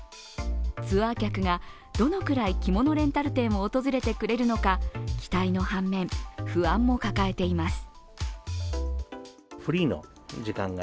ツアー客がどのくらい着物レンタル店を訪れてくれるのか期待の反面、不安も抱えています。